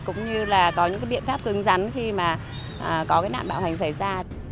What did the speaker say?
cũng như là có những biện pháp cứng rắn khi mà có nạn bạo hành xảy ra